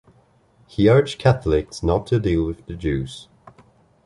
He urged Catholics not to deal with the Jews.